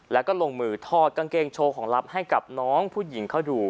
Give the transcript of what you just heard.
แล้วก็ลงมือถอดกางเกงโชว์ของลับให้กับน้องผู้หญิงเขาดู